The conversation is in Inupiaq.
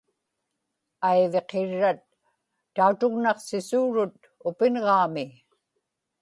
aiviqirrat tautugnaqsisuurut upinġaami